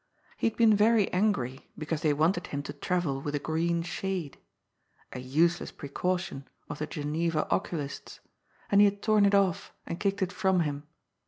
He had been very angry because they wanted him to travel with a green shade — ^a useless precau tion of the Geneva' oculist's — and he had torn it oft and kicked it from him.